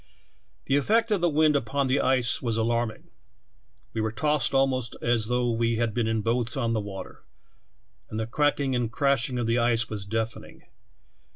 " The effect of the wind upon the ice was alarm ing. We were tossed almost as though we had been in boats on the water, and the cracking and crashing of the ice was deafening.